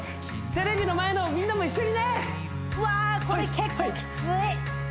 テレビの前のみんなも一緒にねわあこれ結構キツい！